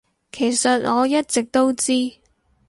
其實我一直都知